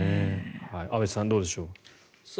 安部さん、どうでしょう。